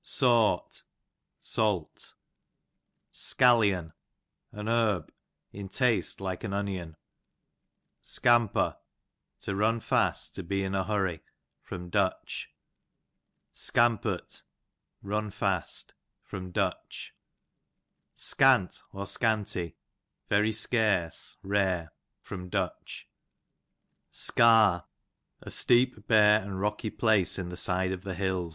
Sawt, salt. Scallion, an herb, in taste like onion. Scampo, to run fast, to be in a hurry. Du. Scampurt, run fast. Du. Scant, )_ \very scarce, rare. Du. Scanty, I Scarr, a steep, bare, and rocky place in the side of the hilh.